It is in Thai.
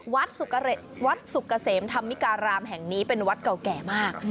วัดสุกเกษมธรรมิการามแห่งนี้เป็นวัดเก่าแก่มาก